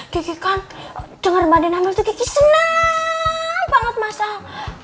kiki kan denger mbak andin hamil tuh kiki seneng banget masal